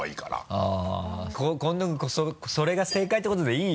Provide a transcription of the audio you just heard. あっ近藤君それが正解ってことでいい？